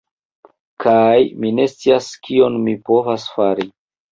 Kaj, mi ne scias kion mi povas fari.